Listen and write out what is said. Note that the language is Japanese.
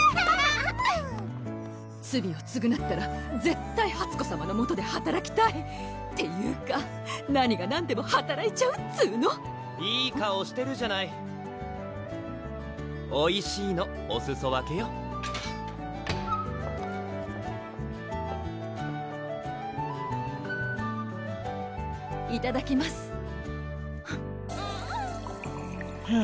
罪をつぐなったら絶対はつこさまのもとではたらきたいっていうか何が何でもはたらいちゃうっつーの・いい顔してるじゃない・おいしいのおすそ分けよいただきますうん！